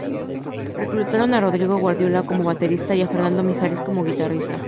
Reclutaron a Rodrigo Guardiola como baterista, y a Fernando Mijares como guitarrista.